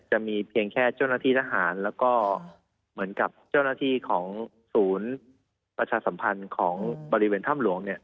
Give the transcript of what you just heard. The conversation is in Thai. จะมีเพียงแค่เจ้าหน้าที่ทหารแล้วก็เหมือนกับเจ้าหน้าที่ของศูนย์ประชาสัมพันธ์ของบริเวณถ้ำหลวงเนี่ย